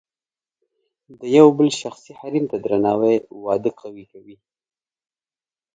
د یو بل شخصي حریم ته درناوی واده قوي کوي.